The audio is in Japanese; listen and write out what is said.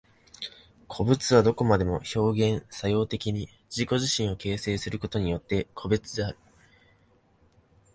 個物はどこまでも表現作用的に自己自身を形成することによって個物である。